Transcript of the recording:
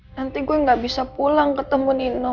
nanti gue gak bisa pulang ketemu nino